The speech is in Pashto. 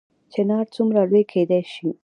چنار څومره لوی کیدی شي؟